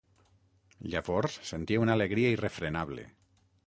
Llavors sentia una alegria irrefrenable.